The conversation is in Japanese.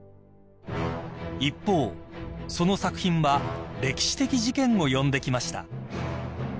［一方その作品は歴史的事件を呼んできました］